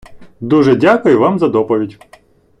дуже дякую вам за доповідь!